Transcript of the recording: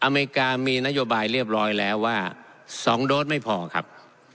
อเมริกามีนโยบายเรียบร้อยแล้วว่า๒โดสไม่พอครับ